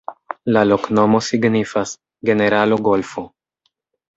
La loknomo signifas: generalo-golfo.